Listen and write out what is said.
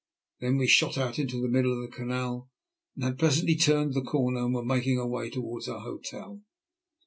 Then we shot out into the middle of the canal and had presently turned the corner and were making our way towards our hotel.